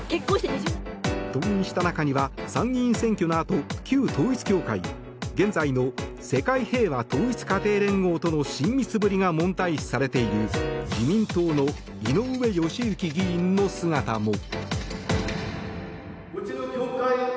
登院した中には参議院選挙のあと、旧統一教会現在の世界平和統一家庭連合との親密ぶりが問題視されている自民党の井上義行議員の姿も。